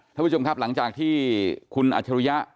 ท่านผู้ชมครับหลังจากที่คุณอัจฉริยะ